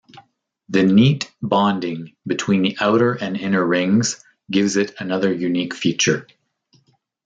The neat bonding between the outer and inner rings gives it another unique feature.